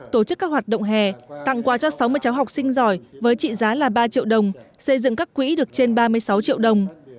tổ chức các hoạt động hè tặng quà cho sáu mươi cháu học sinh giỏi với trị giá là ba triệu đồng xây dựng các quỹ được trên ba mươi sáu triệu đồng